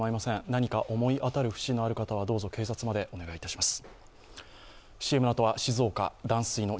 何か思い当たる節のある方はどうぞ警察までお願いします。